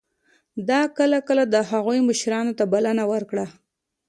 ده کله کله د هغوی مشرانو ته بلنه ورکړه.